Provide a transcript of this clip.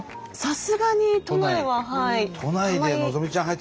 さすがに都内は。